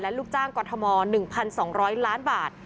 และลูกจ้างกฎธมองค์๑๒๐๐ล้านบาท